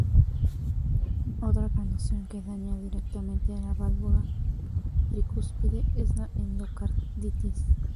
Otra condición que daña directamente la válvula tricúspide es la endocarditis.